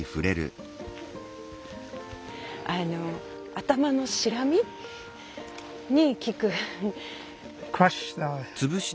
頭のシラミに効く。